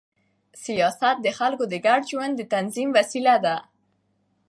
سیاست د خلکو د ګډ ژوند د تنظیم وسیله ده